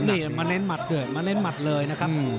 นี่มาเน้นหมัดเลยนะครับ